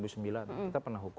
kita pernah hukum